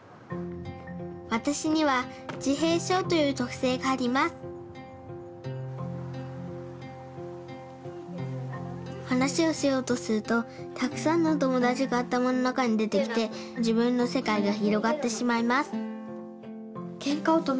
わたしにはじへいしょうというとくせいがありますはなしをしようとするとたくさんのおともだちがあたまのなかにでてきて自分のせかいがひろがってしまいます